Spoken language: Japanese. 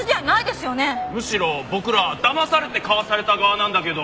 むしろ僕らだまされて買わされた側なんだけど。